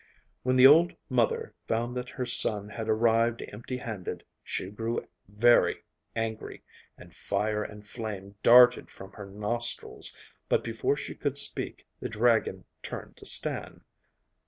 When the old mother found that her son had arrived empty handed she grew very angry, and fire and flame darted from her nostrils, but before she could speak the dragon turned to Stan.